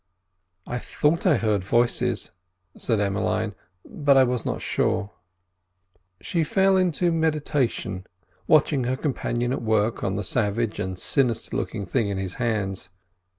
"I thought I heard voices," said Emmeline, "but I was not sure." She fell into meditation, watching her companion at work on the savage and sinister looking thing in his hands.